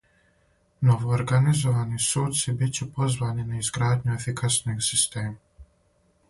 Новоорганизирани суци бит ће позвани на изградњу ефикаснијег система.